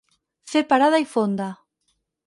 Fer parada i fonda.